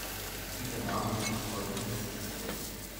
Dieser Name wird bis heute genutzt.